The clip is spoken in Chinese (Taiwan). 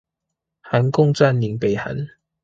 韓共占領北韓